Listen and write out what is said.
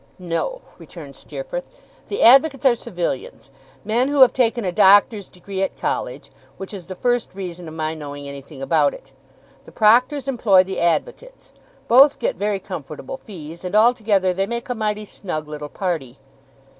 'No,' returned Steerforth, 'the advocates are civilians men who have taken a doctor's degree at college which is the first reason of my knowing anything about it. The proctors employ the advocates. Both get very comfortable fees, and altogether they make a mighty snug little party.